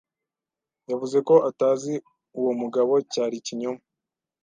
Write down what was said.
Yavuze ko atazi uwo mugabo, cyari ikinyoma.